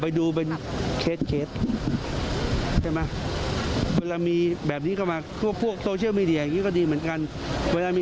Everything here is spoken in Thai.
แต่บุตรครั้มก็ยังอยู่อย่าพึ่งไปตีตนไปก่อนไข้